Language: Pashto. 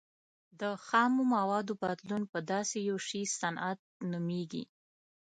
د خامو موادو بدلون په داسې یو شي صنعت نومیږي.